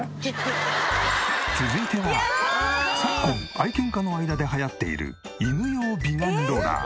続いては昨今愛犬家の間で流行っている犬用美顔ローラー。